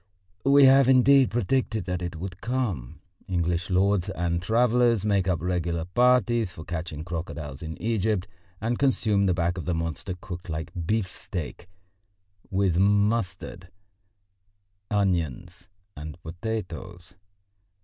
We have, indeed, predicted that it would come. English lords and travellers make up regular parties for catching crocodiles in Egypt, and consume the back of the monster cooked like beefsteak, with mustard, onions and potatoes.